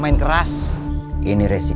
tapi papi harus tahu